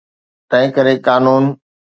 تنهنڪري قانون.